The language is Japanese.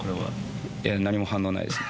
いや、何も反応ないですね。